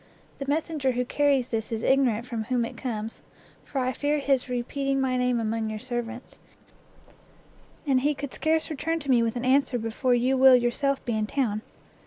The messenger who carries this is ignorant from whom it comes, for I fear his repeating my name among your servants, and he could scarce return to me with an answer before you will yourself be in town.